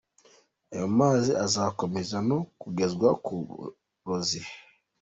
Ayo mazi azakomeza no kugezwa ku borozi.